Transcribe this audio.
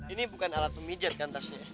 ini bukan alat pemijat kan tasnya